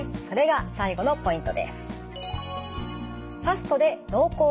それが最後のポイントです。